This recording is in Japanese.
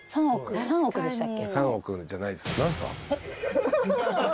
３億じゃないです。